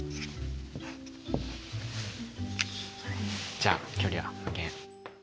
じゃあ距離は無限。